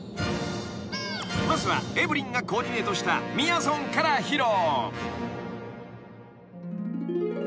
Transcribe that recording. ［まずはエブリンがコーディネートしたみやぞんから披露］